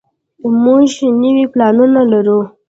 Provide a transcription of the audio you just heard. موږ نوي پلانونه لرو.